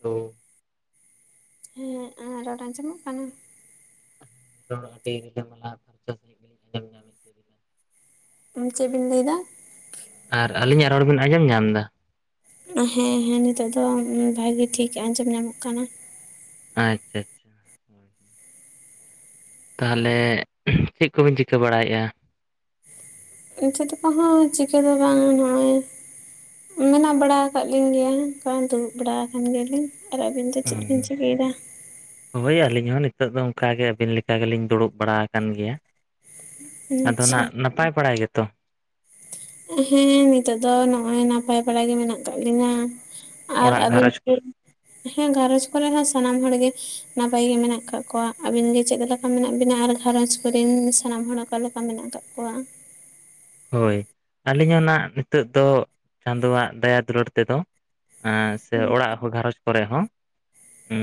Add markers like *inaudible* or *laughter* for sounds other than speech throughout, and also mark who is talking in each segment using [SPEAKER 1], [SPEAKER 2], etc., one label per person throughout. [SPEAKER 1] Hello
[SPEAKER 2] ᱦᱮᱸ ᱮᱸ ᱨᱚᱲ ᱟᱸᱡᱚᱢᱚᱜ ᱠᱟᱱᱟ?
[SPEAKER 1] ᱨᱚᱲ ᱟᱹᱰᱤ ᱨᱤᱞᱟᱹ ᱢᱟᱞᱟ
[SPEAKER 2] ᱩᱸ ᱪᱮᱜ ᱵᱤᱱ ᱞᱮᱭ ᱫᱟ?
[SPEAKER 1] ᱟᱨ ᱟᱹᱞᱤᱧᱟᱜ ᱨᱚᱲ ᱵᱤᱱ ᱟᱸᱡᱚᱢ ᱧᱟᱢ ᱫᱟ?
[SPEAKER 2] ᱦᱮᱸ ᱦᱮᱸ ᱱᱤᱛᱳᱜ ᱫᱚ ᱵᱷᱟᱹᱜᱤ ᱴᱷᱤᱠ ᱟᱸᱡᱚᱢ ᱧᱟᱢᱚᱜ ᱠᱟᱱᱟ᱾
[SPEAKER 1] ᱟᱪᱪᱷᱟ ᱟᱪ ᱛᱟᱦᱞᱮ ᱪᱮᱜ ᱠᱚᱵᱤᱱ ᱪᱤᱠᱟᱹ ᱵᱟᱲᱟᱭᱮᱜ-ᱟ?
[SPEAKER 2] ᱪᱮᱫ ᱠᱚᱦᱚᱸ ᱪᱤᱠᱟᱹ ᱫᱚ ᱵᱟᱝ ᱱᱚᱜ-ᱚᱭ ᱢᱮᱱᱟᱜ ᱵᱟᱲᱟ ᱟᱠᱟᱜ ᱞᱤᱧ ᱜᱮᱭᱟ ᱚᱝᱠᱟ ᱫᱩᱲᱩᱵ ᱵᱟᱲᱟ ᱠᱟᱱ ᱜᱮᱭᱟᱞᱤᱧ ᱟᱨ ᱟᱹᱵᱤᱱ ᱫᱚ ᱪᱮᱫ ᱵᱤᱱ ᱪᱤᱠᱟᱹᱭ ᱫᱟ?
[SPEAKER 1] ᱦᱳᱭ ᱟᱹᱞᱤᱧ ᱦᱚᱸ ᱱᱤᱛᱳᱜ ᱫᱚ ᱚᱝᱠᱟ ᱜᱮ ᱟᱹᱵᱤᱱ ᱞᱮᱠᱟ ᱜᱮᱞᱤᱧ ᱫᱩᱲᱩᱵ ᱵᱟᱲᱟ ᱟᱠᱟᱱ ᱜᱮᱭᱟ᱾ ᱟᱫᱚ
[SPEAKER 2] ᱟᱪᱪᱷᱟ
[SPEAKER 1] ᱱᱦᱟᱜ ᱱᱟᱯᱟᱭ ᱵᱟᱲᱟᱭ ᱜᱮᱛᱚ?
[SPEAKER 2] ᱦᱮᱸ ᱱᱤᱛᱳᱜ ᱫᱚ ᱱᱚᱜ-ᱚᱭ ᱱᱟᱯᱟᱭ ᱵᱟᱲᱟ ᱜᱮ ᱢᱮᱱᱟᱜ ᱠᱟᱜ ᱞᱤᱧᱟ᱾ ᱟᱨ
[SPEAKER 1] ᱚᱲᱟᱜ
[SPEAKER 2] ᱟᱹᱵᱤᱱ
[SPEAKER 1] ᱜᱷᱟᱨᱚᱸᱡᱽ
[SPEAKER 2] ᱜᱤ?
[SPEAKER 1] ᱠᱚᱨᱮ
[SPEAKER 2] ᱦᱮᱸ ᱜᱷᱟᱨᱚᱪᱽ ᱠᱚᱨᱮ ᱦᱚᱸ ᱥᱟᱱᱟᱢ ᱦᱚᱲᱜᱮ ᱱᱟᱯᱟᱭ ᱜᱮ ᱢᱮᱱᱟᱜ ᱟᱠᱟᱜ ᱠᱚᱣᱟ ᱟᱵᱤᱱ ᱜᱮ ᱪᱮᱫ ᱞᱮᱠᱟ? ᱢᱮᱱᱟᱜ ᱵᱤᱱᱟ ᱟᱨ ᱜᱷᱟᱨᱚᱧᱡᱽ ᱠᱚᱨᱮᱱ ᱥᱟᱱᱟᱢ ᱦᱚᱲ ᱟᱠᱟᱞᱮᱠᱟ ᱢᱮᱱᱟᱜ ᱠᱟᱜ ᱠᱚᱣᱟ?
[SPEAKER 1] ᱦᱳᱭ ᱟᱹᱞᱤᱧ ᱦᱚᱸ ᱱᱟᱜ ᱱᱤᱛᱳᱜ ᱫᱚ ᱪᱟᱸᱫᱳᱣᱟᱜ ᱫᱟᱭᱟ ᱫᱩᱞᱟᱹᱲ ᱛᱮᱫᱚ ᱟᱸ ᱥᱮ ᱚᱲᱟᱜ ᱦᱚᱲ ᱜᱷᱟᱨᱚᱪᱽ ᱠᱚᱨᱮ ᱦᱚᱸ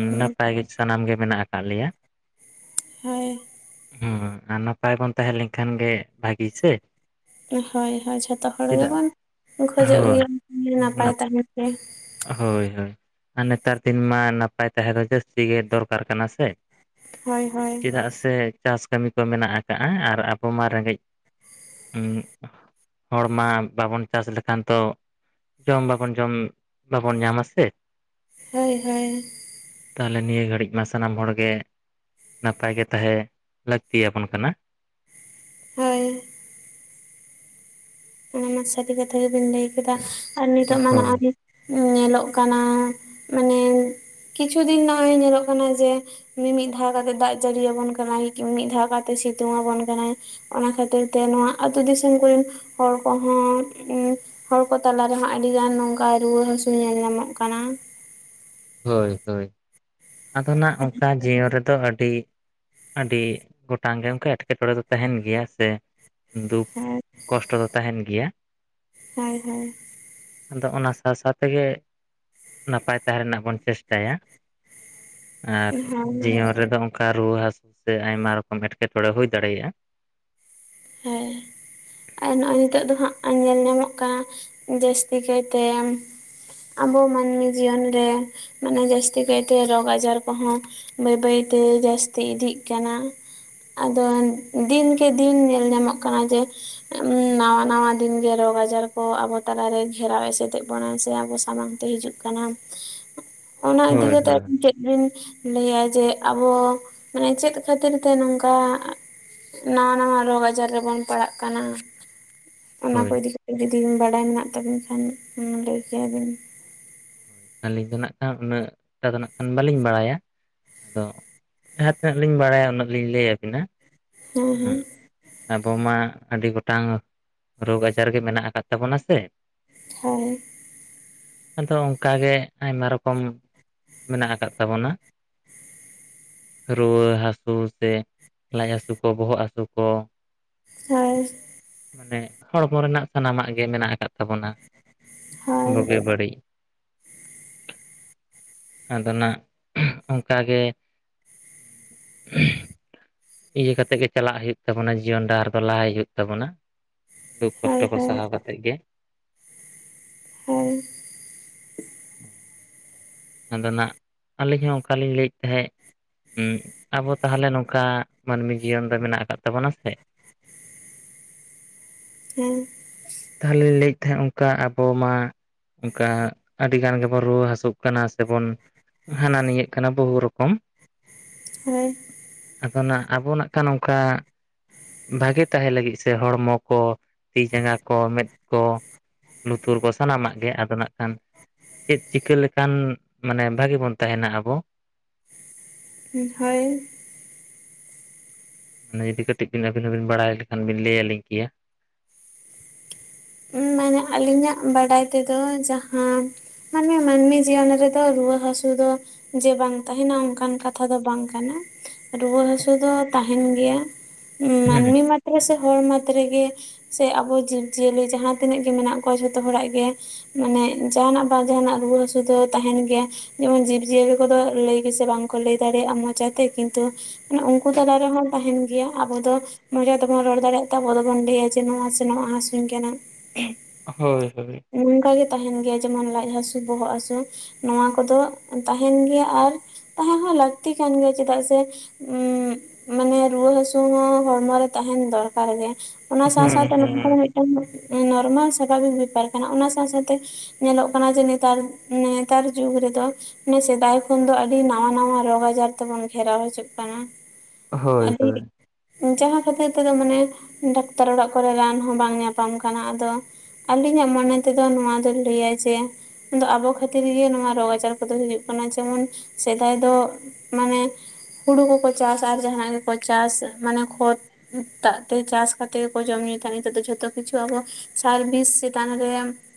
[SPEAKER 2] ᱦᱮᱸ
[SPEAKER 1] ᱱᱟᱯᱟᱭ ᱜᱮ ᱥᱟᱱᱟᱢ ᱜᱮ ᱢᱮᱱᱟᱜ ᱟᱠᱟᱜ ᱞᱮᱭᱟ᱾
[SPEAKER 2] ᱦᱮ
[SPEAKER 1] ᱦᱚᱸ ᱟᱨ ᱱᱟᱯᱟᱭ ᱵᱚᱱ ᱛᱟᱦᱮᱸ ᱞᱮᱝ ᱠᱷᱟᱱ ᱜᱮ ᱵᱷᱟᱜᱤ ᱥᱮ,
[SPEAKER 2] ᱦᱳᱭ ᱦᱳᱭ ᱡᱷᱚᱛᱚ ᱦᱚᱲ
[SPEAKER 1] ᱪᱮᱫᱟᱜ
[SPEAKER 2] ᱜᱮᱵᱚᱱ ᱠᱷᱚᱡᱚᱜ
[SPEAKER 1] ᱦᱳᱭ
[SPEAKER 2] ᱜᱮᱭᱟ ᱱᱟᱯᱟᱭ
[SPEAKER 1] ᱱᱟᱯ
[SPEAKER 2] ᱛᱟᱦᱮᱱ ᱛᱮ᱾
[SPEAKER 1] ᱦᱳᱭ ᱦᱳᱭ ᱟᱨ ᱱᱮᱛᱟᱨ ᱫᱤᱱ ᱢᱟ ᱱᱟᱯᱟᱭ ᱛᱟᱦᱮᱸ ᱫᱚ ᱡᱟᱹᱥᱛᱤ ᱜᱮ ᱫᱚᱨᱠᱟᱨ ᱠᱟᱱᱟ ᱥᱮ᱾
[SPEAKER 2] ᱦᱳᱭ ᱦᱳᱭ
[SPEAKER 1] ᱪᱮᱫᱟᱜ ᱥᱮ ᱪᱟᱥ ᱠᱟᱹᱢᱤ ᱠᱚ ᱢᱮᱱᱟᱜ ᱟᱠᱟᱜ-ᱟ ᱟᱨ ᱟᱵᱚ ᱢᱟ ᱨᱮᱸᱜᱮᱡ ᱦᱚᱲᱢᱟ ᱵᱟᱵᱚᱱ ᱪᱟᱥ ᱞᱮᱠᱷᱟᱱ ᱛᱚ ᱡᱚᱢ ᱵᱟᱵᱚᱱ ᱡᱚᱢ ᱵᱟᱵᱚᱱ ᱧᱟᱢᱟ ᱥᱮ,
[SPEAKER 2] ᱦᱳᱭ ᱦᱳᱭ
[SPEAKER 1] ᱛᱟᱦᱚᱞᱮ ᱱᱤᱭᱟᱹ ᱜᱷᱟᱹᱲᱤᱡ ᱢᱟ ᱥᱟᱱᱟᱢ ᱦᱚᱲ ᱜᱮ ᱱᱟᱯᱟᱭ ᱜᱮ ᱛᱟᱦᱮᱸ ᱞᱟᱹᱠᱛᱤᱭᱟᱵᱚᱱ ᱠᱟᱱᱟ
[SPEAKER 2] ᱦᱳᱭ ᱚᱱᱟ ᱢᱟ ᱥᱟᱹᱨᱤ ᱠᱟᱛᱷᱟ ᱜᱮᱵᱮᱱ ᱞᱟᱹᱭ ᱠᱮᱫᱟ ᱟᱨ ᱱᱤᱛᱚᱜ ᱢᱟ
[SPEAKER 1] ᱦᱳᱭ
[SPEAKER 2] ᱱᱚᱜ-ᱚᱭ ᱧᱮᱞᱚᱜ ᱠᱟᱱᱟ ᱢᱟᱱᱮ ᱠᱤᱪᱷᱩ ᱫᱤᱱ ᱱᱚᱜ-ᱚᱭ ᱧᱮᱞᱚᱜ ᱠᱟᱱᱟ ᱡᱮ ᱢᱤᱢᱤᱫ ᱫᱷᱟᱣ ᱠᱟᱛᱮᱫ ᱫᱟᱜ ᱡᱟᱹᱨᱤᱭᱟᱵᱚᱱ ᱠᱟᱱᱟᱭ ᱠᱤ ᱢᱤᱫ ᱫᱷᱟᱣ ᱠᱟᱛᱮ ᱥᱮᱛᱳᱝ ᱟᱵᱚᱱ ᱠᱟᱱᱟᱭ᱾ ᱚᱱᱟ ᱠᱷᱟᱹᱛᱤᱨ ᱛᱮ ᱱᱚᱣᱟ ᱟᱹᱛᱩ ᱫᱤᱥᱚᱢ ᱠᱚᱨᱤᱱ ᱦᱚᱲ ᱠᱚᱦᱚᱸ ᱩᱸ ᱦᱚᱲ ᱠᱚ ᱛᱟᱞᱟ ᱨᱮᱦᱚᱸ ᱟᱹᱰᱤ ᱜᱟᱱ ᱱᱚᱝᱠᱟ ᱨᱩᱣᱟᱹ ᱦᱟᱹᱥᱩ ᱧᱮᱞ ᱧᱟᱢᱚᱜ ᱠᱟᱱᱟ᱾
[SPEAKER 1] ᱦᱳᱭ ᱦᱳᱭ ᱟᱫᱚ ᱱᱟᱜ ᱚᱝᱠᱟ ᱡᱤᱭᱚᱱ ᱨᱮᱫᱚ ᱟᱹᱰᱤ ᱟᱹᱰᱤ ᱜᱚᱴᱟᱝ ᱜᱮ ᱚᱝᱠᱮ ᱮᱴᱠᱮᱴᱚᱬᱮ ᱫᱚ ᱛᱟᱦᱮᱱ ᱜᱮᱭᱟ ᱥᱮ ᱫᱩᱠ ᱠᱚᱥᱴᱚ ᱫᱚ ᱛᱟᱦᱮᱱ ᱜᱮᱭᱟ,
[SPEAKER 2] ᱦᱟᱭ ᱦᱟᱭ
[SPEAKER 1] ᱟᱫᱚ ᱚᱱᱟ ᱥᱟᱶ ᱥᱟᱶ ᱛᱮᱜᱮ ᱱᱟᱯᱟᱭ ᱛᱟᱦᱮᱸ ᱨᱮᱱᱟᱜ ᱵᱚᱱ ᱪᱮᱥᱴᱟᱭᱟ ᱟᱨ
[SPEAKER 2] ᱦᱳᱭ
[SPEAKER 1] ᱡᱤᱭᱚᱱ ᱨᱮᱫᱚ ᱚᱱᱠᱟ ᱨᱩᱣᱟᱹ *inaudible* ᱥᱮ ᱟᱭᱢᱟ ᱨᱚᱠᱚᱢ ᱮᱴᱠᱮᱴᱚᱬᱮ ᱦᱩᱭ ᱫᱟᱲᱮᱭᱟᱜᱼᱟ᱾
[SPEAKER 2] ᱦᱮᱸ, ᱟᱨ ᱱᱚᱜᱼᱚᱭ ᱱᱤᱛᱚᱜ ᱫᱚ ᱦᱟᱸᱜ ᱧᱮᱞ ᱧᱟᱢᱚᱜ ᱠᱟᱱᱟ ᱡᱟᱹᱥᱛᱤ ᱠᱟᱭᱛᱮ, ᱟᱵᱚ ᱢᱟᱹᱱᱢᱤ ᱡᱤᱭᱚᱱ ᱨᱮ ᱢᱟᱱᱮ ᱡᱟᱹᱥᱛᱤ ᱠᱟᱭᱛᱮ ᱨᱳᱜᱽ ᱟᱡᱟᱨ ᱠᱚᱦᱚᱸ, ᱵᱟᱹᱭ ᱵᱟᱹᱭᱛᱮ ᱡᱟᱹᱥᱛᱤ ᱤᱫᱤᱜ ᱠᱟᱱᱟ ᱟᱫᱚ ᱫᱤᱱᱠᱮ ᱫᱤᱱ ᱧᱮᱞ ᱧᱟᱢᱚᱜ ᱠᱟᱱᱟ ᱡᱮ, ᱱᱟᱣᱟ ᱱᱟᱣᱟ ᱫᱤᱱᱜᱮ ᱨᱳᱜᱽ ᱟᱡᱟᱨ ᱠᱚ ᱟᱵᱚ ᱛᱟᱞᱟᱨᱮ ᱜᱷᱮᱨᱟᱣ ᱮᱥᱮᱫᱮᱜ ᱵᱚᱱᱟ ᱥᱮ ᱟᱵᱚ ᱥᱟᱢᱟᱝ ᱛᱮ ᱦᱤᱡᱩᱜ ᱠᱟᱱᱟᱢ ᱚᱱᱟ ᱤᱫᱤ
[SPEAKER 1] ᱦᱳᱭ
[SPEAKER 2] ᱠᱟᱛᱮᱜ
[SPEAKER 1] ᱦᱳᱭ
[SPEAKER 2] *inaudible* ᱵᱤᱱ ᱞᱟᱹᱭᱟ ᱡᱮ ᱟᱵᱚ ᱢᱟᱱᱮ ᱪᱮᱫ ᱠᱷᱟᱹᱛᱤᱨ ᱛᱮ ᱱᱚᱝᱠᱟ? ᱱᱟᱣᱟ ᱱᱟᱣᱟ ᱨᱳᱜᱽ ᱟᱡᱟᱨ ᱨᱮᱵᱚᱱ ᱯᱟᱲᱟᱜ ᱠᱟᱱᱟ ᱚᱱᱟ ᱠᱚ
[SPEAKER 1] ᱦᱳᱭ
[SPEAKER 2] ᱤᱫᱤ ᱡᱩᱫᱤ ᱵᱟᱰᱟᱭ ᱢᱮᱱᱟᱜ ᱛᱟᱵᱤᱱ ᱠᱷᱟᱱ ᱞᱟᱹᱭ ᱠᱮᱭᱟᱵᱤᱱ᱾
[SPEAKER 1] ᱦᱳᱭ, ᱟᱹᱞᱤᱧ ᱫᱚ ᱱᱟᱜ ᱠᱷᱟᱱ ᱩᱱᱟᱹᱜ ᱴᱟ ᱫᱚ ᱱᱟᱜ ᱠᱷᱟᱱ ᱵᱟᱹᱞᱤᱧ ᱵᱟᱲᱟᱭᱟ᱾ ᱫᱚ ᱡᱟᱦᱟᱸ ᱛᱤᱱᱟᱹᱜ ᱞᱤᱧ ᱵᱟᱲᱟᱭᱟ ᱩᱱᱟᱹᱜ ᱞᱤᱧ ᱞᱟᱹᱭᱟᱵᱤᱱᱟ᱾
[SPEAKER 2] ᱦᱮᱸ ᱦᱮᱸ,
[SPEAKER 1] ᱟᱵᱚ ᱢᱟ ᱟᱹᱰᱤ ᱜᱚᱴᱟᱝ ᱨᱳᱜᱽ ᱟᱡᱟᱨ ᱜᱮ ᱢᱮᱱᱟᱜ ᱟᱠᱟᱫ ᱛᱟᱵᱚᱱᱟ ᱥᱮ᱾
[SPEAKER 2] ᱦᱳᱭ᱾
[SPEAKER 1] ᱟᱫᱚ ᱚᱝᱠᱟ ᱜᱮ ᱟᱭᱢᱟ ᱨᱚᱠᱚᱢ, ᱢᱮᱱᱟᱜ ᱟᱠᱟᱫ ᱛᱟᱵᱚᱱᱟ᱾ ᱨᱩᱣᱟᱹ ᱦᱟᱹᱥᱩ ᱥᱮ ᱞᱟᱡ ᱦᱟᱹᱥᱩ ᱠᱚ ᱵᱚᱦᱚᱜ ᱦᱟᱹᱥᱩ ᱠᱚ᱾
[SPEAKER 2] ᱦᱮᱭ,
[SPEAKER 1] ᱢᱟᱱᱮ ᱦᱚᱲᱢᱚ ᱨᱮᱱᱟᱜ ᱥᱟᱱᱟᱢᱟᱜ ᱜᱮ ᱢᱮᱱᱟᱜ ᱟᱠᱟᱫ ᱟᱵᱚᱱᱟ
[SPEAKER 2] ᱦᱳᱭ
[SPEAKER 1] ᱵᱳᱜᱮ ᱵᱟᱹᱲᱤᱡ, ᱟᱫᱚ ᱱᱟᱜ ᱚᱝᱠᱟ ᱜᱮ᱾ ᱤᱭᱟᱹ ᱠᱟᱛᱮᱜ ᱜᱮ ᱪᱟᱞᱟᱜ ᱦᱩᱭᱩᱜ ᱛᱟᱵᱚᱱᱟ ᱡᱤᱭᱚᱱ ᱰᱟᱦᱟᱨ ᱫᱚ ᱞᱟᱦᱟᱭ ᱦᱩᱭᱩᱜ ᱛᱟᱵᱚᱱᱟ᱾ ᱫᱩᱠ
[SPEAKER 2] ᱦᱳᱭ
[SPEAKER 1] ᱠᱚᱥᱴᱚ ᱠᱚ
[SPEAKER 2] ᱦᱳᱭ
[SPEAKER 1] ᱥᱟᱦᱟᱣ ᱠᱟᱛᱮᱜ ᱜᱮ᱾
[SPEAKER 2] ᱦᱮᱭ,
[SPEAKER 1] ᱟᱫᱚ ᱱᱟᱜ ᱟᱹᱞᱤᱧ ᱦᱚᱸ ᱚᱝᱠᱟᱞᱤᱧ ᱞᱟᱹᱭᱮᱜ ᱛᱟᱦᱮᱸᱡ᱾ ᱩᱜ ᱟᱵᱚ ᱛᱟᱦᱚᱞᱮ ᱱᱚᱝᱠᱟ ᱢᱟᱹᱱᱢᱤ ᱡᱤᱭᱚᱱ ᱫᱚ ᱢᱮᱱᱟᱜ ᱟᱠᱟᱫ ᱛᱟᱵᱚᱱᱟ ᱥᱮ᱾
[SPEAKER 2] ᱦᱮᱸ
[SPEAKER 1] ᱛᱟᱦᱮᱞᱮ ᱞᱟᱹᱭᱮᱜ ᱛᱟᱦᱮᱸᱜ ᱚᱝᱠᱟ ᱟᱵᱚ ᱢᱟ, ᱚᱝᱠᱟ ᱟᱹᱰᱤ ᱜᱟᱱ ᱜᱮᱵᱚᱱ ᱨᱩᱣᱟᱹ ᱦᱟᱹᱥᱳᱜ ᱠᱟᱱᱟ ᱥᱮᱵᱚᱱ, ᱦᱟᱱᱟ ᱱᱤᱭᱟᱹᱜ ᱠᱟᱱᱟ ᱵᱚᱦᱩ ᱨᱚᱠᱚᱢ᱾
[SPEAKER 2] ᱦᱮ
[SPEAKER 1] ᱟᱫᱚ ᱱᱟᱜ ᱟᱵᱚ ᱱᱟᱜᱠᱷᱟᱱ ᱚᱝᱠᱟ, ᱵᱷᱟᱜᱮ ᱛᱟᱦᱮᱸ ᱞᱟᱹᱜᱤᱫ ᱥᱮ ᱦᱚᱲᱢᱚ ᱠᱚ ᱛᱤ ᱡᱟᱸᱜᱟ ᱠᱚ ᱢᱮᱫ ᱠᱚ ᱞᱩᱛᱩᱨ ᱠᱚ ᱥᱟᱱᱟᱢᱟᱜ ᱜᱮ ᱟᱫᱚ ᱱᱟᱜ ᱠᱷᱟᱱ, ᱪᱮᱫ ᱪᱤᱠᱟᱹ ᱞᱮᱠᱷᱟᱱ ᱢᱟᱱᱮ ᱵᱷᱟᱜᱤ ᱵᱚᱱ ᱛᱟᱦᱮᱱᱟ ᱟᱵᱚ?
[SPEAKER 2] ᱦᱩᱸ ᱦᱳᱭ᱾
[SPEAKER 1] ᱢᱟᱱᱮ ᱡᱩᱫᱤ ᱠᱟᱹᱴᱤᱡ ᱵᱤᱱ ᱟᱹᱵᱤᱱ ᱦᱚᱸᱵᱤᱱ ᱵᱟᱲᱟᱭ ᱞᱮᱠᱷᱟᱱ ᱵᱤᱱ ᱞᱟᱹᱭ ᱟᱹᱞᱤᱧ ᱠᱮᱭᱟ᱾
[SPEAKER 2] *unintelligible* ᱟᱹᱞᱤᱧᱟᱜ ᱵᱟᱰᱟᱭ ᱛᱮᱫᱚ ᱡᱟᱦᱟᱸ, ᱢᱟᱱᱮ ᱢᱟᱹᱱᱢᱤ ᱡᱤᱭᱚᱱ ᱨᱮ ᱫᱚ ᱨᱩᱣᱟᱹ ᱦᱥᱩ ᱫᱚ, ᱡᱮ ᱵᱟᱝ ᱛᱟᱦᱮᱱᱟ ᱚᱱᱠᱟᱱ ᱠᱟᱛᱷᱟ ᱫᱚ ᱵᱟᱝ ᱠᱟᱱᱟ᱾ ᱨᱩᱣᱟᱹ ᱦᱟᱹᱥᱩ ᱫᱚ ᱛᱟᱦᱮᱱ ᱜᱮᱭᱟ ᱾
[SPEAKER 1] ᱦᱮᱸ
[SPEAKER 2] ᱢᱟᱹᱱᱢᱤ ᱢᱟᱛᱨᱮ ᱥᱮ ᱦᱚᱲ ᱢᱟᱛᱨᱮᱜᱮ ᱥᱮ ᱟᱵᱚ ᱡᱤᱵ ᱡᱤᱭᱟᱹᱞᱤ ᱾ ᱡᱟᱦᱟᱸ ᱛᱤᱱᱟᱹᱜ ᱜᱮ ᱢᱮᱱᱟᱜ ᱠᱚᱣᱟ ᱡᱷᱚᱛᱚ ᱦᱚᱲᱟᱜ ᱜᱮ ᱾ ᱢᱟᱱᱮ ᱡᱟᱦᱟᱸᱦᱟᱱᱟᱜ ᱵᱟ ᱡᱟᱦᱟᱱᱟᱜ ᱨᱩᱣᱟᱹ ᱦᱟᱹᱥᱩ ᱫᱚ ᱛᱟᱦᱮᱱ ᱜᱮᱭᱟ ᱾ ᱡᱮᱢᱚᱱ ᱡᱤᱵᱼᱡᱤᱭᱟᱹᱞᱤ ᱠᱚᱫᱚ ᱞᱟᱹᱭ ᱜᱮᱥᱮ ᱵᱟᱝᱠᱚ ᱞᱟᱹᱭ ᱫᱟᱲᱮᱭᱟᱜᱼᱟ ᱢᱚᱪᱟᱛᱮ ᱠᱤᱱᱛᱩ ᱾ ᱢᱟᱱᱮ ᱩᱱᱠᱩ ᱛᱟᱞᱟ ᱨᱮᱦᱚᱸ ᱛᱟᱦᱮᱱ ᱜᱮᱭᱟ ᱟᱵᱚ ᱫᱚ ᱾ ᱢᱚᱸᱡᱟ ᱛᱮᱵᱚᱱ ᱨᱚᱲ ᱫᱟᱲᱮᱭᱟᱜ ᱛᱟᱵᱚ ᱫᱚᱵᱚᱱ ᱞᱟᱹᱭᱟ ᱡᱮ ᱱᱚᱣᱟ ᱥᱮ ᱱᱚᱣᱟ ᱦᱟᱹᱥᱩᱧ ᱠᱟᱱᱟ ᱾
[SPEAKER 1] ᱦᱳᱭ ᱦᱳᱭ ᱾
[SPEAKER 2] ᱱᱚᱝᱠᱟ ᱜᱮ ᱛᱟᱦᱮᱱ ᱜᱮᱭᱟ ᱡᱮᱢᱚᱱ ᱞᱟᱡ ᱦᱥᱩ ᱵᱚᱦᱚᱜ ᱦᱟᱥᱩ ᱾ ᱱᱚᱣᱟ ᱠᱚᱫᱚ ᱛᱟᱦᱮᱱ ᱜᱮᱭᱟ ᱟᱨ ᱛᱟᱦᱮᱸ ᱦᱚᱸ ᱞᱟᱹᱠᱛᱤ ᱠᱟᱱ ᱜᱮᱭᱟ ᱪᱮᱫᱟᱜ ᱥᱮ ᱾ ᱩᱸ ᱢᱟᱱᱮ ᱨᱩᱣᱟᱹ ᱦᱟᱹᱥᱩ ᱦᱚᱸ ᱦᱚᱲᱢᱚᱨᱮ ᱛᱟᱦᱮᱱ ᱫᱚᱨᱠᱟᱨ ᱜᱮ ᱾ ᱚᱱᱟ ᱥᱟᱶ
[SPEAKER 1] ᱦᱩᱸ
[SPEAKER 2] ᱥᱟᱶᱛᱮ ᱱᱚᱝᱠᱟ
[SPEAKER 1] ᱦᱩᱸ
[SPEAKER 2] ᱫᱚ ᱢᱤᱫᱴᱟᱝ ᱱᱚᱨᱢᱟᱞ ᱥᱟᱵᱷᱟᱵᱤᱠ ᱵᱮᱯᱟᱨ ᱠᱟᱱᱟ ᱚᱱᱟ ᱥᱟᱶ ᱥᱟᱶᱛᱮ ᱾ ᱧᱮᱞᱚᱜ ᱠᱟᱱᱟ ᱡᱮ ᱱᱮᱛᱟᱨ ᱱᱮᱛᱟᱨ ᱡᱩᱜᱽ ᱨᱮᱫᱚ ᱾ ᱚᱱᱮ ᱥᱮᱫᱟᱭ ᱠᱷᱚᱱ ᱫᱚ ᱟᱹᱰᱤ ᱱᱟᱶᱟ ᱱᱟᱶᱟ ᱨᱳᱜᱽ ᱟᱡᱟᱨ ᱛᱮᱵᱚᱱ ᱜᱷᱮᱨᱟᱣ ᱦᱤᱡᱩᱜ ᱠᱟᱱᱟ ᱾
[SPEAKER 1] ᱦᱳᱭ ᱦᱳᱭ ᱾
[SPEAKER 2] ᱡᱟᱦᱟᱸ ᱠᱷᱟᱹᱛᱤᱨ ᱛᱮᱫᱚ ᱢᱟᱱᱮ ᱰᱟᱠᱛᱟᱨ ᱚᱲᱟᱜ ᱠᱚᱨᱮ ᱨᱟᱱ ᱦᱚᱸ ᱵᱟᱝ ᱧᱟᱯᱟᱢ ᱠᱟᱱᱟ ᱟᱫᱚ ᱾ ᱟᱹᱞᱤᱧᱟᱜ ᱢᱚᱱᱮ ᱛᱮᱫᱚ ᱱᱚᱣᱟ ᱫᱚ ᱞᱟᱹᱭᱟ ᱡᱮ ᱾ ᱠᱤᱱᱛᱩ ᱟᱵᱚ ᱠᱷᱟᱹᱛᱤᱨ ᱜᱮ ᱱᱚᱣᱟ ᱨᱳᱜᱽ ᱟᱡᱟᱨ ᱠᱚᱫᱚ ᱦᱩᱭᱩᱜ ᱠᱟᱱᱟ ᱡᱮᱢᱚᱱ ᱥᱮᱫᱟᱭ ᱫᱚ ᱾ ᱢᱟᱱᱮ ᱦᱩᱲᱩ ᱠᱚᱠᱚ ᱪᱟᱥ ᱟᱨ ᱡᱟᱦᱟᱱᱟᱜ ᱜᱮᱠᱚ ᱪᱟᱥ ᱢᱟᱱᱮ ᱠᱷᱚᱛ ᱾ ᱫᱟᱜ ᱛᱮ ᱪᱟᱥ ᱠᱟᱛᱮᱫ ᱜᱮ ᱠᱚ ᱡᱚᱢ ᱧᱩᱭ ᱛᱟᱦᱮᱸ ᱱᱤᱛᱚᱜ ᱫᱚ ᱡᱷᱚᱛᱚ ᱠᱤᱪᱷᱩ ᱾ ᱟᱵᱚᱣᱟᱜ ᱥᱟᱨ ᱵᱤᱥ ᱪᱮᱛᱟᱱ ᱨᱮ ᱾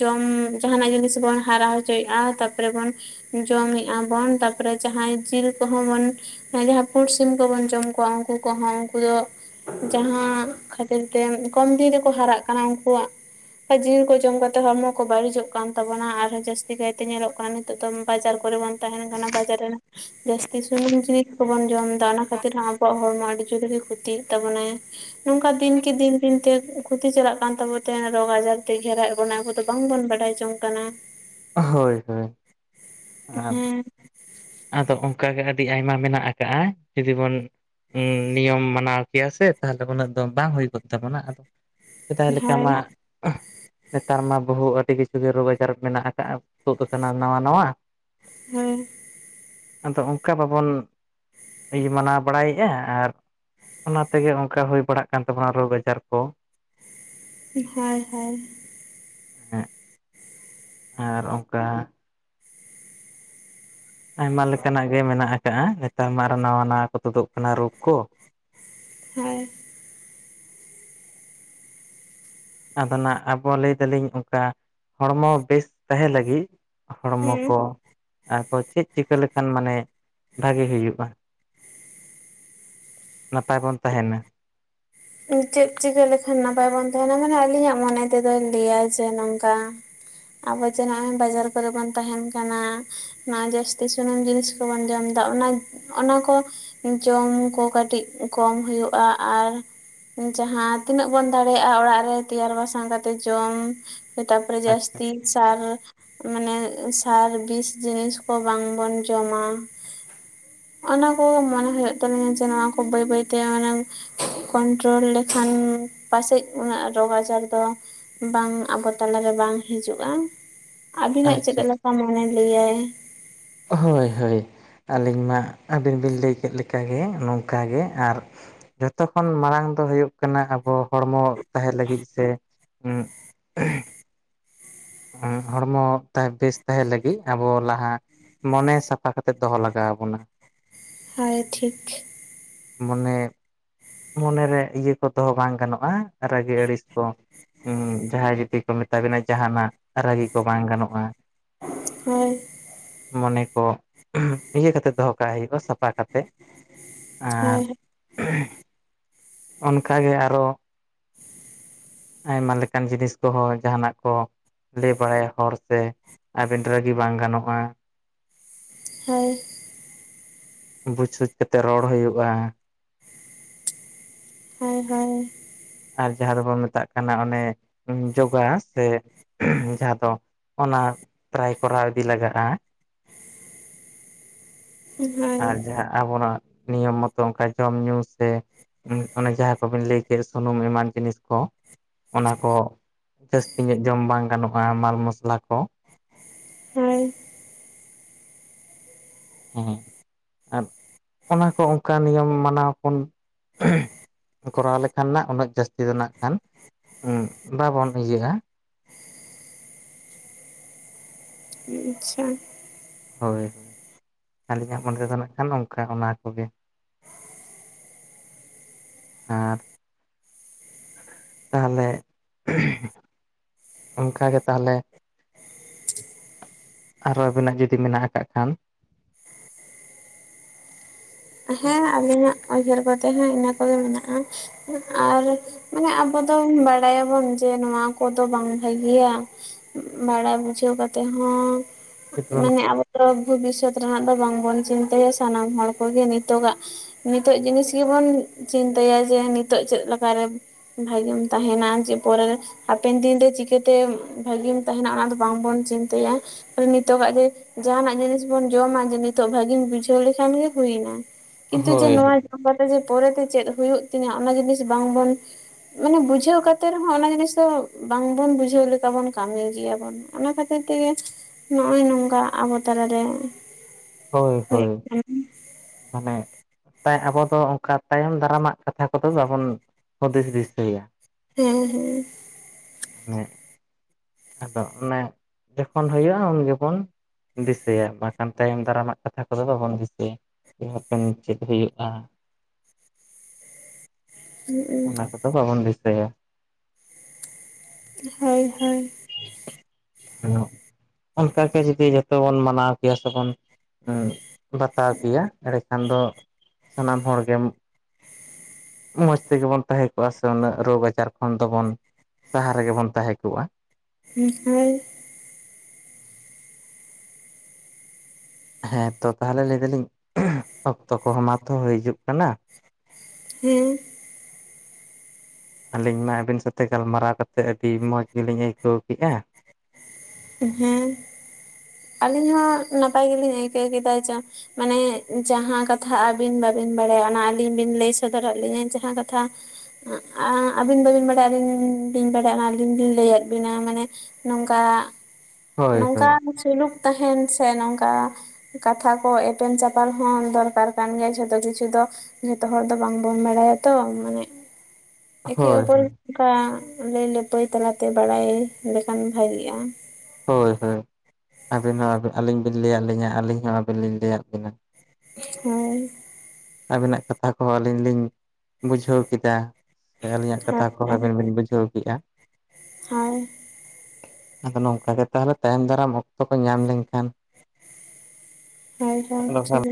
[SPEAKER 2] ᱡᱚᱢ ᱡᱟᱦᱱᱟᱜ ᱡᱤᱱᱤᱥ ᱵᱩᱱ ᱦᱟᱨᱟ ᱦᱚᱪᱚᱭᱮᱜᱼᱟ ᱛᱟᱯᱚᱨᱮ ᱵᱩᱱ ᱾ ᱡᱚᱢᱮᱜᱼᱟ ᱵᱚᱱ ᱛᱟᱨᱯᱚᱨᱮ ᱡᱟᱸᱦ ᱡᱤᱞ ᱠᱚᱦᱚᱸ ᱵᱚᱱ ᱾ ᱡᱟᱦᱟᱸ ᱯᱩᱱᱰ ᱥᱤᱢ ᱠᱚᱵᱚᱱ ᱡᱚᱢ ᱠᱚᱣᱟ ᱩᱱᱠᱩ ᱠᱚᱦᱚᱸ ᱩᱱᱠᱩ ᱫᱚ ᱾ ᱡᱟᱦᱟᱸ ᱠᱷᱟᱹᱛᱤᱨ ᱛᱮ ᱠᱚᱢ ᱫᱤᱱ ᱨᱮᱠᱚ ᱦᱟᱨᱟᱜ ᱠᱟᱱᱟ ᱩᱱᱠᱩᱣᱟᱜ ᱾ ᱟ ᱡᱤᱞ ᱠᱚ ᱡᱚᱢ ᱠᱟᱛᱮ ᱦᱚᱲᱢᱚ ᱠᱚ ᱵᱟᱹᱲᱤᱡᱚᱜ ᱠᱟᱱ ᱛᱟᱵᱚᱱᱟ ᱟᱨᱚᱸ ᱡᱟᱹᱥᱛᱤ ᱠᱟᱭᱛᱮ ᱧᱮᱞᱚᱜ ᱠᱟᱱ ᱾ ᱛᱚ ᱫᱚᱢ ᱵᱟᱡᱟᱨ ᱠᱚᱨᱮ ᱵᱚᱱ ᱛᱟᱦᱮᱱ ᱠᱟᱱᱟ ᱵᱟᱡᱟᱨ ᱨᱮᱱ ᱾ ᱡᱟᱹᱥᱛᱤ ᱥᱩᱱᱩᱢ ᱡᱤᱱᱤᱥ ᱠᱚᱵᱚᱱ ᱡᱚᱢ ᱮᱫᱟ ᱚᱱᱟ ᱠᱷᱟᱹᱛᱤᱨ ᱦᱚᱸ ᱟᱵᱚᱣᱟᱜ ᱦᱚᱲᱢᱚ ᱟᱹᱰᱤ ᱡᱳᱨ ᱜᱮ ᱠᱷᱚᱛᱤᱭᱮᱫ ᱛᱟᱵᱚᱱᱟᱭ ᱾ ᱱᱚᱝᱠᱟ ᱫᱤᱱ ᱠᱤ ᱫᱤᱱ ᱾ ᱤᱱ ᱛᱮ ᱠᱷᱩᱚᱛᱤ ᱪᱟᱞᱟᱜ ᱠᱟᱱ ᱛᱟᱵᱚ ᱛᱮ ᱨᱳᱜᱽ ᱟᱡᱟᱨ ᱛᱮ ᱜᱷᱮᱨᱟᱭᱮᱫ ᱵᱚᱱᱟ ᱟᱵ ᱫᱚ ᱵᱟᱝᱵᱚᱱ ᱵᱟᱰᱟᱭ ᱡᱚᱝ ᱠᱟᱱᱟ ᱾ *unintelligible*
[SPEAKER 1] ᱦᱳᱭ ᱦᱳᱭ ᱦᱮᱸ ᱾ ᱟᱫᱚ ᱚᱱᱠᱟᱜᱮ ᱟᱹᱰᱤ ᱟᱭᱢᱟ ᱢᱮᱱᱟᱜ ᱟᱠᱟᱜᱼᱟ ᱡᱩᱫᱤ ᱵᱚᱱ ᱾ ᱦᱩᱸ ᱱᱤᱭᱚᱢ ᱢᱟᱱᱟᱣ ᱠᱮᱭᱟ ᱥᱮ ᱛᱟᱦᱚᱞᱮ ᱩᱱᱟᱹᱜ ᱫᱚ ᱵᱟᱝ ᱦᱩᱭ ᱠᱚᱫ ᱛᱟᱵᱚᱱᱟ ᱟᱫᱚ ᱾ ᱪ ᱛᱟᱦᱞᱮ
[SPEAKER 2] ᱦᱳᱭ
[SPEAKER 1] ᱠᱟᱴᱟ ᱾ ᱱᱮᱛᱟᱨ ᱢᱟ ᱵᱚᱦᱩ ᱟᱹᱰᱤ ᱠᱤᱪᱷᱩ ᱜᱮ ᱨᱳᱜᱽ ᱟᱡᱟᱨ ᱢᱮᱱᱟᱜ ᱟᱠᱟᱫᱼᱟ ᱛᱩᱫ ᱟᱠᱟᱱᱟ ᱱᱟᱣᱟ ᱱᱟᱣᱟ ᱾
[SPEAKER 2] ᱦᱮᱸ ᱾
[SPEAKER 1] ᱟᱫᱚ ᱚᱱᱠᱟ ᱵᱟᱵᱚᱱ ᱢᱟᱱᱟᱣ ᱵᱟᱲᱟᱭᱮᱜᱼᱟ ᱟᱨ ᱾ ᱚᱱᱟ ᱛᱮᱜᱮ ᱚᱱᱠᱟ ᱦᱩᱭ ᱵᱟᱲᱟᱜ ᱠᱟᱱ ᱛᱟᱵᱚᱱᱟ ᱨᱳᱜᱽ ᱟᱡᱟᱨ ᱠᱚ ᱾
[SPEAKER 2] ᱦᱮᱸ ᱦᱮᱸ ᱾
[SPEAKER 1] ᱦᱮ ᱟᱨ ᱚᱱᱠᱟ ᱾ ᱟᱭᱢᱟ ᱞᱮᱠᱟᱱᱟᱜ ᱜᱮ ᱢᱮᱱᱟᱜ ᱟᱠᱟᱜ-ᱟ ᱱᱮᱛᱟᱨ ᱢᱟ ᱟᱨ ᱱᱟᱶᱟ ᱱᱟᱶᱟ ᱠᱚ ᱛᱩᱫᱩᱜ ᱠᱟᱱᱟ ᱨᱳᱜᱽ ᱠᱚ ᱾
[SPEAKER 2] ᱦᱮᱸ ᱾
[SPEAKER 1] ᱟᱫᱚ ᱱᱦᱟᱜ ᱟᱵᱚ ᱞᱟᱹᱭ ᱫᱟᱞᱤᱧ ᱚᱱᱠᱟ ᱦᱚᱲᱢᱚ ᱵᱮᱥ ᱛᱟᱦᱮᱸ ᱞᱟᱹᱜᱤᱫ ᱾ ᱦᱚᱲᱢᱚ
[SPEAKER 2] ᱦᱮᱸ
[SPEAKER 1] ᱠᱚ ᱟᱨᱚ ᱪᱮᱫ ᱪᱤᱠᱟᱹ ᱞᱮᱠᱷᱟᱱ ᱢᱟᱱᱮ ᱵᱷᱟᱜᱮ ᱦᱩᱭᱩᱜ-ᱟ ᱾ ᱱᱟᱯᱟᱭ ᱵᱚᱱ ᱛᱟᱦᱮᱱᱟ ᱾
[SPEAKER 2] ᱪᱮᱫ ᱪᱤᱠᱟᱹ ᱞᱮᱠᱷᱟᱱ ᱱᱟᱯᱟᱭ ᱵᱚᱱ ᱛᱟᱸᱦᱮᱱᱟ ᱢᱟᱱᱮ ᱟᱹᱞᱤᱧᱟᱜ ᱢᱚᱱᱮ ᱛᱮᱫᱚᱭ ᱞᱟᱹᱭᱟ ᱡᱮ ᱱᱚᱝᱠᱟ ᱟᱵᱚ ᱡᱮ ᱱᱚᱜ-ᱚᱭ ᱵᱟᱡᱟᱨ ᱠᱚᱨᱮ ᱵᱚᱱ ᱛᱟᱦᱮᱱ ᱠᱟᱱᱟ ᱱᱚᱣᱟ ᱡᱟᱹᱥᱛᱤ ᱥᱩᱱᱩᱢ ᱡᱤᱱᱤᱥ ᱠᱚᱵᱚᱱ ᱡᱚᱢ ᱮᱫᱟ ᱚᱱᱟ ᱚᱱᱟ ᱠᱚ ᱡᱚᱢ ᱠᱚ ᱠᱟᱹᱴᱤᱡ ᱠᱚᱢ ᱦᱩᱭᱩᱜ-ᱟ, ᱟᱨ ᱡᱟᱸᱦᱟ ᱛᱤᱱᱟᱹᱜ ᱵᱚᱱ ᱫᱟᱲᱮᱭᱟᱜ-ᱟ ᱚᱲᱟᱜ ᱨᱮ ᱛᱮᱭᱟᱨ ᱵᱟᱥᱟᱝ ᱠᱟᱛᱮᱜ ᱡᱚᱢ ᱛᱟᱯᱚᱨᱮ
[SPEAKER 1] ᱟᱪᱪᱷᱟ
[SPEAKER 2] ᱡᱟᱹᱥᱛᱤ ᱥᱟᱨ ᱢᱟᱱᱮ ᱥᱟᱨ, ᱵᱤᱥ ᱡᱤᱱᱤᱥ ᱠᱚ ᱵᱟᱝᱵᱚᱱ ᱡᱚᱢᱟ ᱾ ᱚᱱᱟ ᱠᱚ ᱢᱚᱱᱮ ᱦᱩᱭᱩᱜ ᱛᱟᱞᱤᱧᱟ ᱡᱮ ᱱᱚᱣᱟ ᱠᱚ ᱵᱟᱹᱭ ᱵᱟᱹᱭ ᱛᱮ ᱢᱟᱱᱮ ᱨᱚᱲ ᱞᱮᱠᱷᱟᱱ ᱯᱟᱥᱮᱡ ᱩᱱᱟᱹᱜ ᱨᱳᱜᱽ ᱟᱡᱟᱨ ᱫᱚ ᱵᱟᱝ ᱟᱵᱚ ᱛᱟᱞᱟᱨᱮ ᱵᱟᱝ ᱦᱤᱡᱩᱜ-ᱟ ᱾ ᱟᱵᱤᱱᱟᱜ ᱪᱮᱫ
[SPEAKER 1] ᱟᱪᱪᱷᱟ ᱟᱪᱪᱷᱟ
[SPEAKER 2] ᱞᱮᱠᱟ ᱢᱟᱱᱮ ᱞᱟᱹᱭ ᱟᱭ?
[SPEAKER 1] ᱦᱳᱭ ᱦᱳᱭ ᱟᱹᱞᱤᱧ ᱢᱟ ᱟᱹᱵᱤᱱ ᱵᱤᱱ ᱞᱟᱹᱭ ᱠᱮᱫ ᱞᱮᱠᱟ ᱚᱱᱠᱟᱜᱮ ᱱᱚᱝᱠᱟ ᱜᱮ ᱟᱨ ᱡᱚᱛᱚ ᱠᱷᱚᱱ ᱢᱟᱲᱟᱝ ᱫᱚ ᱦᱩᱭᱩᱜ ᱠᱟᱱᱟ ᱟᱵᱚ ᱦᱚᱲᱢᱚ ᱛᱟᱦᱮᱸ ᱞᱟᱹᱜᱤᱫ ᱥᱮ ᱩᱸ *inaudible* ᱦᱚᱲᱢᱚ ᱵᱮᱥ ᱛᱟᱦᱮᱸ ᱞᱟᱹᱜᱤᱫ ᱟᱵᱚ ᱞᱟᱦᱟ ᱢᱚᱱᱮ ᱥᱟᱯᱷᱟ ᱠᱟᱛᱮᱜ ᱫᱚᱦᱚ ᱞᱟᱜᱟᱣ ᱟᱵᱚᱱᱟ ᱾
[SPEAKER 2] ᱦᱳᱭ ᱴᱷᱤᱠ ᱾
[SPEAKER 1] ᱢᱟᱱᱮ ᱢᱚᱱᱮ ᱨᱮ ᱤᱭᱟᱹ ᱠᱚ ᱫᱚᱦᱚ ᱵᱟᱝ ᱜᱟᱱᱚᱜ-ᱟ ᱨᱟᱹᱜᱤ ᱟᱹᱲᱤᱥ ᱠᱚ ᱾ ᱦᱩᱸ ᱡᱟᱦᱟᱸᱭ ᱡᱩᱫᱤ ᱠᱚ ᱢᱮᱛᱟ ᱵᱤᱱᱟ ᱡᱟᱦᱟᱱᱟᱜ ᱨᱟᱹᱜᱤ ᱠᱚ ᱵᱟᱝ ᱜᱟᱱᱚᱜ-ᱟ
[SPEAKER 2] ᱦᱳᱭ ᱾
[SPEAKER 1] ᱢᱚᱱᱮ ᱠᱚ ᱤᱭᱟᱹ ᱠᱟᱛᱮᱜ ᱫᱚᱦᱚ ᱠᱟᱜ ᱦᱩᱭᱩᱜ-ᱟ ᱥᱟᱯᱷᱟ ᱠᱟᱛᱮᱜ ᱾ ᱟᱨ
[SPEAKER 2] ᱦᱳᱭ
[SPEAKER 1] ᱚᱱᱠᱟ ᱜᱮ ᱟᱨᱚ ᱟᱭᱢᱟ ᱞᱮᱠᱟᱱ ᱡᱤᱱᱤᱥ ᱠᱚᱦᱚᱸ ᱡᱟᱦᱟᱱᱟᱜ ᱠᱚ ᱞᱟᱹᱭ ᱵᱟᱲᱟᱭᱟ ᱦᱚᱲ ᱥᱮ, ᱟᱵᱮᱱ ᱨᱟᱹᱜᱤ ᱵᱟᱝ ᱜᱟᱱᱚᱜ-ᱟ ᱾
[SPEAKER 2] ᱦᱮᱣ ᱾
[SPEAKER 1] ᱵᱩᱡᱽ ᱥᱩᱡᱽ ᱠᱟᱛᱮᱫ ᱨᱚᱲ ᱦᱩᱭᱩᱜ-ᱟ ᱾
[SPEAKER 2] ᱦᱮᱣ ᱦᱮᱭ ᱾
[SPEAKER 1] ᱟᱨ ᱡᱟᱦᱟᱸ ᱫᱚᱵᱚᱱ ᱢᱮᱛᱟᱜ ᱠᱟᱱᱟ ᱚᱱᱮ ᱡᱳᱜᱟ ᱥᱮ, ᱡᱟᱦᱟᱸ ᱫᱚ ᱚᱱᱟ ᱯᱨᱟᱭ ᱠᱚᱨᱟᱣ ᱤᱫᱤ ᱞᱟᱜᱟᱜ-ᱟ ᱾
[SPEAKER 2] *unintelligible* ᱦᱳᱭ ᱦᱳᱭ
[SPEAKER 1] ᱟᱨ ᱡᱟᱦᱟᱸ ᱟᱵᱚᱱᱟᱜ ᱱᱤᱭᱚᱢ ᱢᱚᱛᱚ ᱚᱱᱠᱟ ᱡᱚᱢ ᱧᱩ ᱥᱮ ᱚᱱᱮ ᱡᱟᱦᱟᱸ ᱠᱚᱵᱤᱱ ᱞᱟᱹᱭ ᱠᱮᱫ ᱥᱩᱱᱩᱢ ᱮᱢᱟᱱ ᱡᱤᱱᱤᱥ ᱠᱚ ᱾ ᱚᱱᱟ ᱠᱚ ᱡᱟᱹᱥᱛᱤ ᱧᱚᱜ ᱡᱚᱢ ᱵᱟᱝ ᱜᱟᱱᱚᱜ-ᱟ ᱢᱟᱞ ᱢᱚᱥᱞᱟ ᱠᱚ ᱾
[SPEAKER 2] ᱦᱮᱭ ᱾
[SPEAKER 1] ᱦᱮᱸ ᱟᱨ ᱚᱱᱟ ᱠᱚ ᱚᱱᱠᱟ ᱱᱤᱭᱚᱢ ᱢᱟᱱᱟᱣ ᱵᱚᱱ ᱠᱚᱨᱟᱣ ᱞᱮᱠᱷᱟᱱ ᱱᱟᱜ ᱩᱱᱟᱹᱜ ᱡᱟᱹᱥᱛᱤ ᱫᱚ ᱱᱟᱜ ᱠᱷᱟᱱ ᱵᱟᱵᱚᱱ ᱤᱭᱟᱹᱜ-ᱟ ᱾
[SPEAKER 2] ᱟᱪᱪᱷᱟ ᱾
[SPEAKER 1] ᱦᱳᱭ ᱟᱹᱞᱤᱧᱟᱜ ᱢᱚᱱᱮ ᱛᱮᱫᱚ ᱱᱟᱜ ᱠᱷᱟᱱ ᱚᱱᱠᱟ ᱚᱱᱟ ᱠᱚᱜᱮ ᱾
[SPEAKER 2] *unintelligible*
[SPEAKER 1] ᱟᱨ ᱛᱟᱦᱚᱞᱮ *inaudible* ᱚᱱᱠᱟ ᱜᱮ ᱛᱟᱦᱚᱞᱮ ᱟᱨᱚ ᱟᱵᱤᱱᱟᱜ ᱡᱩᱫᱤ ᱢᱮᱱᱟᱜ ᱟᱠᱟᱫ ᱠᱷᱟᱱ ᱾
[SPEAKER 2] ᱦᱮᱸ ᱟᱵᱤᱧᱟᱜ ᱩᱭᱦᱟᱹᱨ ᱠᱚᱛᱮ ᱦᱚᱸ ᱤᱱᱟᱹ ᱠᱚᱜᱮ ᱢᱮᱱᱟᱜᱼᱟ ᱟᱨ᱾ ᱢᱟᱱᱮ ᱟᱵᱚ ᱫᱚ ᱵᱟᱲᱟᱭᱟᱵᱚᱱ ᱡᱮ ᱱᱚᱣᱟ ᱠᱚᱫᱚ ᱵᱟᱝ ᱵᱷᱟᱹᱜᱤᱭᱟ᱾ ᱵᱟᱲᱟᱭ ᱵᱩᱡᱷᱟᱹᱣ ᱠᱟᱛᱮᱫ ᱦᱚᱸ᱾
[SPEAKER 1] ᱡᱩᱫᱤ ᱵᱚᱱ
[SPEAKER 2] ᱢᱟᱱᱮ ᱟᱵᱚ ᱛᱚ ᱵᱷᱚᱵᱤᱥᱥᱚᱛ ᱨᱮᱱᱟᱜ ᱫᱚ ᱵᱟᱝᱵᱚᱱ ᱪᱤᱱᱛᱟᱹᱭᱟ ᱥᱟᱱᱟᱢ ᱦᱚᱲ ᱠᱚᱜᱮ ᱱᱤᱛᱚᱜᱟᱜ᱾ ᱱᱤᱛᱚᱜ ᱡᱤᱱᱤᱥ ᱜᱮᱵᱚᱱ ᱪᱤᱱᱛᱟᱹᱭᱟ ᱡᱮ ᱱᱤᱛᱚᱜ ᱪᱮᱫ ᱞᱮᱠᱟᱨᱮ᱾ ᱵᱷᱟᱜᱮᱢ ᱛᱟᱦᱮᱱᱟ ᱡᱮ ᱯᱚᱨᱮ᱾ ᱦᱟᱯᱮᱱ ᱫᱤᱱᱨᱮ ᱪᱤᱠᱟᱹᱛᱮ ᱵᱷᱟᱹᱜᱤᱢ ᱛᱟᱦᱮᱱᱟ ᱚᱱᱟ ᱫᱚ ᱵᱟᱝᱵᱚᱱ ᱪᱤᱱᱛᱟᱹᱭᱟ᱾ ᱱᱤᱛᱚᱜᱼᱟ ᱜᱮ ᱡᱮ ᱡᱟᱦᱱᱟᱜ ᱡᱤᱱᱤᱥ ᱵᱚᱱ ᱡᱚᱢᱟ ᱡᱮ ᱱᱤᱛᱚᱜ ᱵᱷᱟᱹᱜᱤᱢ ᱵᱩᱡᱷᱟᱹᱣ ᱞᱮᱠᱷᱟᱱ ᱜᱮ᱾ ᱦᱩᱭᱱᱟ ᱠᱤᱱᱛᱩ ᱡᱮ
[SPEAKER 1] ᱦᱳᱭ
[SPEAKER 2] ᱱᱚᱣᱟ
[SPEAKER 1] ᱦᱳᱭ
[SPEAKER 2] ᱡᱚᱢ ᱠᱟᱛᱮ ᱯᱚᱨᱮᱛᱮ ᱪᱮᱫ ᱦᱩᱭᱩᱜ ᱛᱤᱧᱟᱹ ᱚᱱᱟ ᱡᱤᱱᱤᱥ ᱵᱟᱝ ᱵᱚᱱ᱾ ᱢᱟᱱᱮ ᱵᱩᱡᱷᱟᱹᱣ ᱠᱟᱛᱮᱜ ᱨᱮᱦᱚᱸ ᱚᱱᱟ ᱡᱤᱱᱤᱥ ᱫᱚ ᱵᱟᱝᱵᱩᱱ ᱵᱩᱡᱷᱟᱹᱣ ᱞᱮᱠᱟ ᱵᱩᱱ ᱠᱟᱹᱢᱤ ᱜᱮᱭᱟ ᱵᱚᱱ᱾ ᱚᱱᱟ ᱠᱷᱟᱹᱛᱤᱨ ᱛᱮᱜᱮ ᱱᱚᱜᱼᱚᱭ ᱱᱚᱝᱠᱟ ᱟᱵᱚ ᱛᱟᱞᱟᱨᱮ᱾
[SPEAKER 1] ᱦᱳᱭ
[SPEAKER 2] ᱦᱩᱭᱩᱜ
[SPEAKER 1] ᱦᱳᱭ
[SPEAKER 2] ᱠᱟᱱᱟ
[SPEAKER 1] ᱢᱟᱱᱮ᱾ ᱛᱟᱭ ᱟᱵᱚ ᱫᱚ ᱚᱱᱠᱟ ᱛᱟᱭᱚᱢ ᱫᱟᱨᱟᱢᱟᱜ ᱠᱟᱛᱷᱟ ᱠᱚᱫᱚ ᱵᱟᱵᱚᱱ ᱦᱩᱫᱤᱥ ᱫᱤᱥᱟᱹᱭᱟ᱾
[SPEAKER 2] ᱦᱮᱸ ᱦᱮᱸ
[SPEAKER 1] *unintelligible* ᱟᱫᱚ ᱚᱱᱮ ᱡᱚᱠᱷᱚᱱ ᱦᱩᱭᱩᱜᱼᱟ ᱩᱱ ᱡᱚᱠᱷᱚᱱ᱾ ᱫᱤᱥᱟᱹᱭᱟ ᱵᱟᱝᱠᱷᱟᱱ ᱛᱟᱭᱚᱢ ᱫᱟᱨᱟᱢᱟᱜ ᱠᱟᱛᱷᱟ ᱠᱚᱫᱚ ᱵᱟᱵᱚᱱ ᱫᱤᱥᱟᱹᱭᱟ᱾ ᱦᱟᱯᱮᱱ ᱪᱮᱫ ᱦᱩᱭᱩᱜᱼᱟ᱾
[SPEAKER 2] *unintelligible*
[SPEAKER 1] ᱟᱫᱚ ᱵᱟᱵᱚᱱ ᱫᱤᱥᱟᱹᱭᱟ᱾
[SPEAKER 2] ᱦᱳᱭ ᱦᱳᱭ
[SPEAKER 1] ᱦᱮᱞᱳ ᱚᱱᱠᱟᱜᱮ ᱡᱩᱫᱤ ᱡᱚᱛᱚ ᱵᱚᱱ ᱢᱟᱱᱟᱣ ᱠᱮᱭᱟ ᱥᱮᱵᱚᱱ᱾ ᱵᱟᱛᱟᱣ ᱠᱮᱭᱟ ᱮᱸᱰᱮᱠᱷᱟᱱ ᱫᱚ ᱥᱟᱱᱟᱢ ᱦᱚᱲ ᱜᱮᱢ᱾ ᱢᱚᱡᱽ ᱛᱮᱜᱮ ᱵᱚᱱ ᱛᱟᱦᱮᱸ ᱠᱚᱜᱼᱟ ᱥᱮ ᱩᱱᱟᱹᱜ ᱨᱳᱜᱽ ᱟᱡᱟᱨ ᱠᱷᱚᱱ ᱫᱚᱵᱚᱱ ᱥᱟᱦᱟ ᱨᱮᱜᱮ ᱵᱚᱱ ᱛᱟᱦᱮᱸ ᱠᱚᱜᱼᱟ᱾
[SPEAKER 2] *unintelligible*
[SPEAKER 1] ᱦᱮᱸ ᱛᱚ ᱛᱟᱦᱚᱞᱮ ᱞᱟᱹᱭ ᱫᱟᱞᱤᱧ ᱚᱠᱛᱚ ᱠᱚᱦᱚᱸ ᱢᱟᱛᱚ ᱦᱩᱭ ᱦᱤᱡᱩᱜ ᱠᱟᱱᱟ᱾
[SPEAKER 2] ᱦᱮᱸ
[SPEAKER 1] ᱟᱹᱞᱤᱧ ᱢᱟ ᱟᱹᱵᱤᱱ ᱥᱟᱶᱛᱮ ᱜᱟᱞᱢᱟᱨᱟᱣ ᱠᱟᱛᱮᱫ ᱟᱹᱰᱤ ᱢᱚᱸᱡᱽ ᱜᱮᱞᱤᱧ ᱟᱹᱭᱠᱟᱹᱣ ᱠᱮᱫᱼᱟ᱾
[SPEAKER 2] ᱦᱮᱸ ᱟᱹᱞᱤᱧ ᱦᱚᱸ ᱱᱟᱯᱟᱭ ᱜᱮᱞᱤᱧ ᱟᱹᱭᱠᱟᱹᱣ ᱠᱮᱫᱟ ᱡᱮ᱾ ᱢᱟᱱᱮ ᱡᱟᱦᱟᱸ ᱠᱟᱛᱷᱟ ᱟᱹᱵᱤᱱ ᱵᱟᱹᱵᱤᱱ ᱵᱟᱲᱟᱭᱟ ᱚᱱᱟ ᱟᱹᱞᱤᱧ ᱵᱤᱱ ᱞᱟᱹᱭ ᱥᱚᱫᱚᱨᱟᱜ ᱞᱤᱧᱟᱹ ᱡᱟᱦᱟᱸ ᱠᱟᱛᱷᱟ᱾ ᱟᱹᱵᱤᱱ ᱵᱟᱹᱵᱤᱱ ᱵᱟᱲᱟᱭᱟ ᱟᱹᱞᱤᱧ ᱞᱤᱧ ᱵᱟᱲᱟᱭᱟ ᱚᱱᱟ ᱟᱹᱞᱤᱧ ᱞᱤᱧ ᱞᱟᱹᱭᱟᱫ ᱵᱤᱱᱟ ᱢᱟᱱᱮ᱾ ᱱᱚᱝᱠᱟ
[SPEAKER 1] ᱦᱳᱭ
[SPEAKER 2] ᱱᱚᱝᱠᱟ
[SPEAKER 1] ᱦᱳᱭ
[SPEAKER 2] ᱥᱩᱞᱩᱠ ᱛᱟᱦᱮᱱ ᱥᱮ ᱱᱚᱝᱠᱟ᱾ ᱠᱟᱛᱷᱟ ᱠᱚ ᱮᱯᱮᱢ ᱪᱟᱯᱟᱞ ᱦᱚᱸ ᱫᱚᱨᱠᱟᱨ ᱠᱟᱱ ᱜᱮᱭᱟ ᱡᱷᱚᱛᱚ ᱠᱤᱪᱷᱩ ᱫᱚ᱾ ᱡᱚᱛᱚ ᱦᱚᱲ ᱫᱚ ᱵᱟᱝᱵᱚᱱ ᱵᱟᱲᱟᱭᱟ ᱛᱚ ᱢᱟᱱᱮ᱾ ᱮᱠᱮ
[SPEAKER 1] ᱦᱳᱭ
[SPEAKER 2] ᱚᱯᱚᱨ ᱚᱱᱠᱟ ᱞᱟᱹᱭ ᱞᱟᱹᱯᱟᱹᱭ ᱛᱟᱞᱟᱛᱮ ᱵᱟᱲᱟᱭ ᱞᱮᱠᱷᱟᱱ ᱵᱷᱟᱜᱤᱜᱼᱟ᱾
[SPEAKER 1] ᱦᱳᱭ ᱦᱳᱭ ᱟᱹᱵᱤᱱ ᱦᱚᱸ ᱟᱹᱞᱤᱧ ᱵᱤᱱ ᱞᱟᱹᱭᱟᱫ ᱞᱤᱧᱟᱹ ᱟᱹᱞᱤᱧ ᱦᱚᱸ ᱟᱹᱵᱤᱱ ᱞᱤᱧ ᱞᱟᱹᱭᱟᱫ ᱵᱤᱱᱟ᱾
[SPEAKER 2] ᱦᱳᱭ
[SPEAKER 1] ᱟᱹᱵᱤᱱᱟᱜ ᱠᱟᱛᱷᱟ ᱠᱚᱦᱚᱸ ᱟᱹᱞᱤᱧ ᱞᱤᱧ ᱵᱩᱡᱷᱟᱹᱣ ᱠᱮᱫᱟ᱾ ᱥᱮ ᱟᱹᱞᱤᱧᱟᱜ
[SPEAKER 2] ᱦᱳᱭ
[SPEAKER 1] ᱠᱟᱛᱷᱟ ᱠᱚ ᱟᱹᱵᱤᱱ ᱵᱤᱱ ᱵᱩᱡᱷᱟᱹᱣ ᱠᱮᱜᱼᱟ᱾
[SPEAKER 2] ᱦᱚᱭ
[SPEAKER 1] ᱟᱫᱚ ᱱᱚᱝᱠᱟ ᱜᱮ ᱛᱟᱦᱚᱞᱮ ᱛᱟᱭᱚᱢ ᱫᱟᱨᱟᱢ᱾ ᱚᱠᱛᱚ ᱠᱚ ᱧᱟᱢ ᱞᱮᱱᱠᱷᱟᱱ
[SPEAKER 2] ᱦᱟᱭ ᱦᱟᱭ ᱴᱷᱤᱠ ᱟᱪᱷᱮ
[SPEAKER 1] *inaudible*